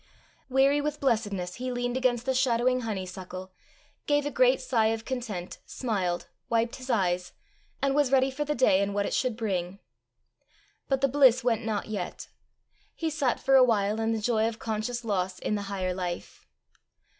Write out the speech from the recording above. Weary with blessedness he leaned against the shadowing honeysuckle, gave a great sigh of content, smiled, wiped his eyes, and was ready for the day and what it should bring. But the bliss went not yet; he sat for a while in the joy of conscious loss in the higher life.